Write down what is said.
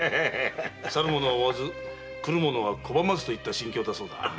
去る者は追わず来る者は拒まずといった心境だそうだ。